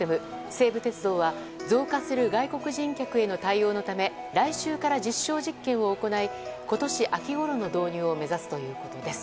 西武鉄道は、増加する外国人客への対応のため来週から実証実験を行い今年秋ごろの導入を目指すということです。